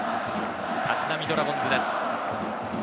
立浪ドラゴンズです。